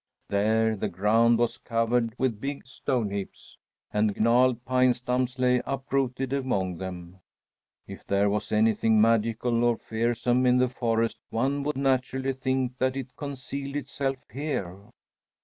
There the ground was covered with big stone heaps, and gnarled pine stumps lay uprooted among them. If there was anything magical or fearsome in the forest, one would naturally think that it concealed itself here.